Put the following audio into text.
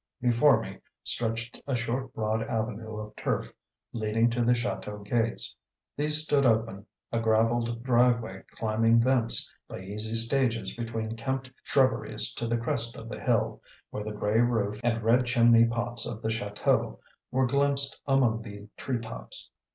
Before me stretched a short broad avenue of turf, leading to the chateau gates. These stood open, a gravelled driveway climbing thence by easy stages between kempt shrubberies to the crest of the hill, where the gray roof and red chimney pots of the chateau were glimpsed among the tree tops.